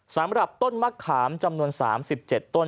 สำหรับต้นมะขามจำนวน๓๗ต้น